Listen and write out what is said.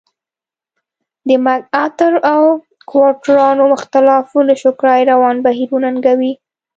د مک ارتر او سکواټورانو اختلاف ونشو کړای روان بهیر وننګوي.